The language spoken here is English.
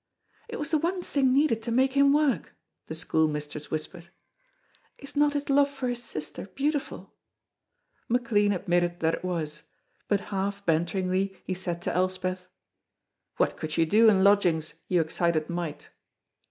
"It was the one thing needed to make him work," the school mistress whispered. "Is not his love for his sister beautiful?" McLean admitted that it was, but half banteringly he said to Elspeth: "What could you do in lodgings, you excited mite?"